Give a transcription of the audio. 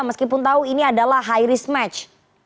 meskipun tahu ini adalah high risk match